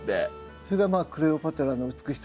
それがまあクレオパトラの美しさ。